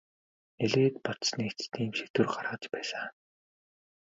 Нэлээд бодсоны эцэст ийм шийдвэр гаргаж байсан.